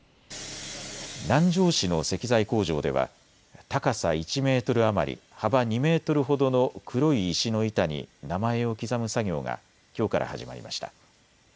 南城市の石材工場では高さ１メートル余り、幅２メートルほどの黒い石の板に名前を刻む作業がきょうから始まりました。